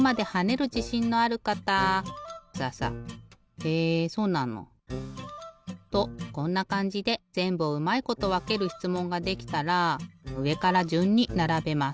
へえそうなの！とこんなかんじでぜんぶをうまいことわけるしつもんができたらうえからじゅんにならべます。